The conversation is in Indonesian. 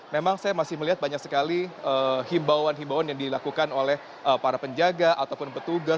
memang saya masih melihat banyak sekali himbauan himbauan yang dilakukan oleh para penjaga ataupun petugas